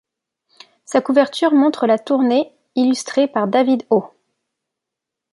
Sa couverture montre la tournée ', illustrée par David Ho.